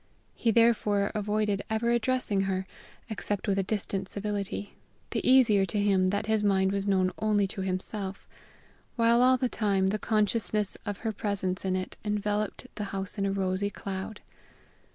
He therefore avoided ever addressing her, except with a distant civility, the easier to him that his mind was known only to himself, while all the time the consciousness of her presence in it enveloped the house in a rosy cloud.